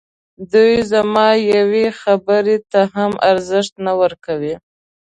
دوی زما یوې خبري ته هم ارزښت نه ورکوي.